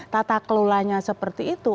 tata kelolanya seperti itu